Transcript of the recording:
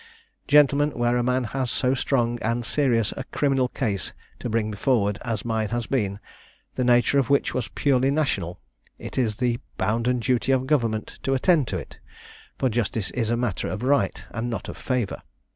"Gentlemen, where a man has so strong and serious a criminal case to bring forward as mine has been, the nature of which was purely national, it is the bounden duty of government to attend to it; for justice is a matter of right, and not of favour.